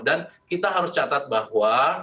kita harus catat bahwa